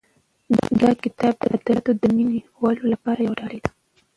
دا کتاب د ادبیاتو د مینه والو لپاره یو ډالۍ ده.